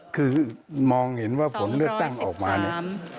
คือมองเห็นว่าผลเลือกตั้งออกมาเนี่ย